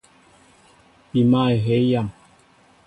Pima ehey yam.